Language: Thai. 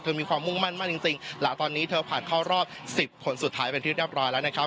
มีความมุ่งมั่นมากจริงจริงและตอนนี้เธอผ่านเข้ารอบสิบคนสุดท้ายเป็นที่เรียบร้อยแล้วนะครับ